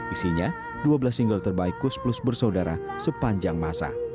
isinya dua belas single terbaik kus plus bersaudara sepanjang masa